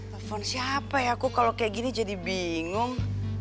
telepon siapa ya aku kalau kayak gini jadi bingung